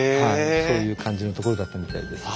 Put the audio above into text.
そういう感じの所だったみたいです。